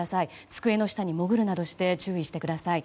机の下に潜るなどして注意してください。